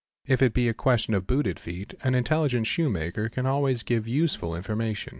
If it bea question of booted feet, an intelligent shoe maker can always give useful : information.